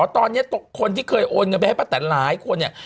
ตอนนี้คนที่เคยโอนเงินไปให้ป้าแตนหลายคนเนี่ย